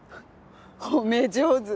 褒め上手。